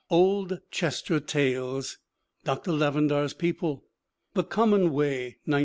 Old Chester Tales. Dr. Lavendar's People. The Common Way, 1904.